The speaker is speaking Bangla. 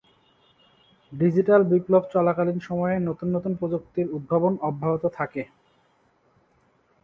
ডিজিটাল বিপ্লব চলাকালীন সময়ে নতুন নতুন প্রযুক্তির উদ্ভাবন অব্যাহত থাকে।